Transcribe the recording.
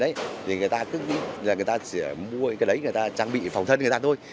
thì người ta cứ người ta chỉ mua cái đấy người ta trang bị phòng thân người ta thôi